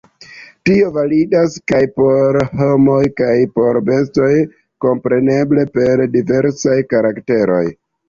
Tio validas kaj por homoj kaj por bestoj, kompreneble per diversaj karakteroj.